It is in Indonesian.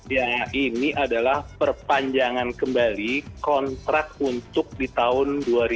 ya ini adalah perpanjangan kembali kontrak untuk di tahun dua ribu dua puluh